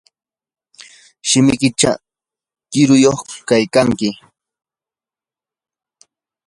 shimikiychaw qiriyuq kaykanki.